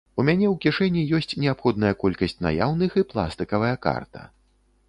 У мяне у кішэні ёсць неабходная колькасць наяўных і пластыкавая карта.